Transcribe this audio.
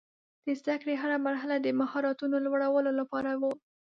د زده کړې هره مرحله د مهارتونو لوړولو لپاره وه.